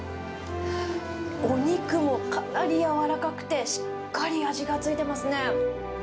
お肉もかなり柔らかくて、しっかり味がついてますね。